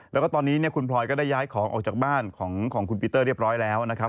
แล้วก็ตอนนี้คุณพลอยก็ได้ย้ายของออกจากบ้านของคุณปีเตอร์เรียบร้อยแล้วนะครับ